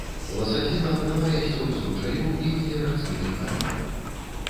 Ласасіна прымае сцёк з ручаёў і меліярацыйных каналаў.